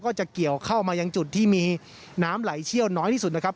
จะเกี่ยวเข้ามายังจุดที่มีน้ำไหลเชี่ยวน้อยที่สุดนะครับ